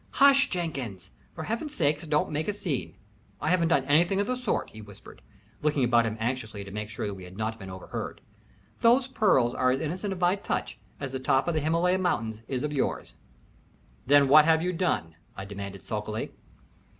"Hush, Jenkins! For Heaven's sake don't make a scene. I haven't done anything of the sort," he whispered, looking about him anxiously to make sure that we had not been overheard. "Those pearls are as innocent of my touch as the top of the Himalaya Mountains is of yours." "Then what have you done?" I demanded, sulkily.